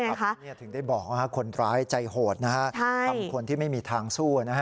ถึงได้บอกคนร้ายใจโหดทำคนที่ไม่มีทางสู้